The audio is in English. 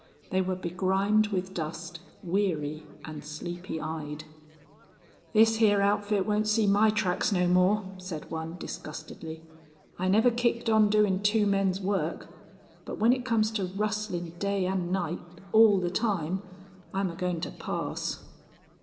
They were begrimed with dust, weary, and sleepy eyed. "This hyar outfit won't see my tracks no more," said one, disgustedly. "I never kicked on doin' two men's work. But when it comes to rustlin' day and night, all the time, I'm a goin' to pass."